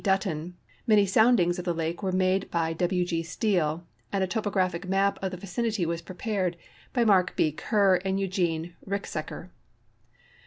Dutton, many soundings of the lake were made by W. G. Steel, and a topographic map of the vicinit}' was prepared by Mark B. Kerr and Eugene Ricksecker.